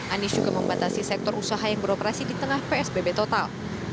anies juga membatasi sektor usaha yang beroperasi di tengah psbb total